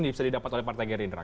ini bisa didapat oleh partai gerindra